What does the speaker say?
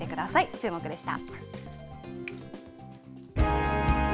チューモク！でした。